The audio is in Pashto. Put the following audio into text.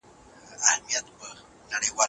ټولنپوهنه به ستاسو فکر روښانه کړي.